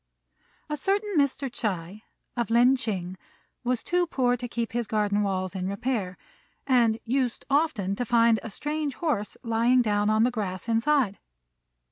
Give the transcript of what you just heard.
A certain Mr. Ts'ui, of Lin ch'ing, was too poor to keep his garden walls in repair, and used often to find a strange horse lying down on the grass inside.